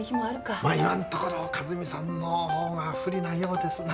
まあ今のところ和美さんのほうが不利なようですな。